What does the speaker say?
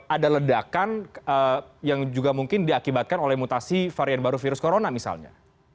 ada ledakan yang juga mungkin diakibatkan oleh mutasi varian baru virus corona misalnya